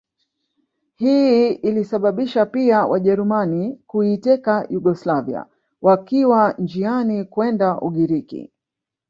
Hii ilisababisha pia Wajerumani kuiteka Yugoslavia wakiwa njiani kwenda Ugiriki